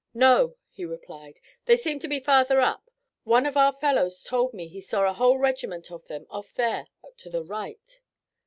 "No," he replied. "They seem to be farther up. One of our fellows told me he saw a whole regiment of them off there to the right."